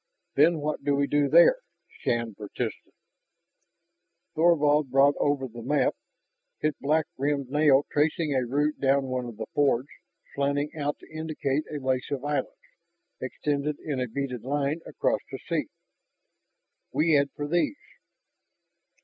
"Then what do we do there?" Shann persisted. Thorvald brought over the map, his black rimmed nail tracing a route down one of the fiords, slanting out to indicate a lace of islands extending in a beaded line across the sea. "We head for these."